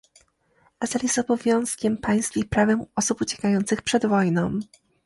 azyl jest obowiązkiem państw i prawem osób uciekających przed wojną